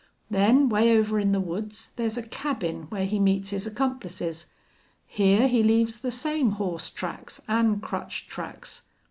Then 'way over in the woods there's a cabin where he meets his accomplices. Here he leaves the same horse tracks an' crutch tracks....